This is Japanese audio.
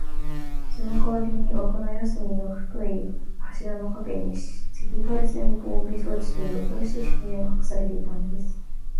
そのかわりに、わくの四すみの太い柱のかげに、赤外線防備装置という、おそろしいしかけがかくされていたのです。